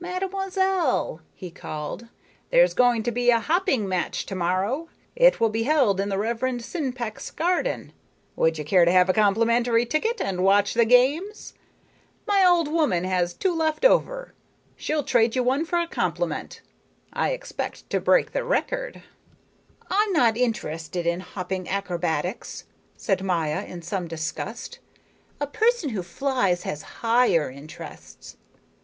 "Mademoiselle," he called, "there's going to be a hopping match to morrow. It will be held in the Reverend Sinpeck's garden. Would you care to have a complimentary ticket and watch the games? My old woman has two left over. She'll trade you one for a compliment. I expect to break the record." "I'm not interested in hopping acrobatics," said Maya in some disgust. "A person who flies has higher interests."